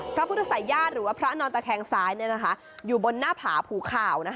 พระพุทธศัยญาติหรือว่าพระนอนตะแคงซ้ายอยู่บนหน้าผาภูข่าว